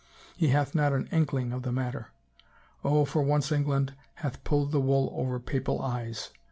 He hath not an inkling of the matter. Oh, for once England hath pulled the wool over papal eyes.